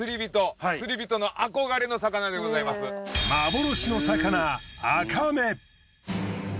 幻の魚アカメ。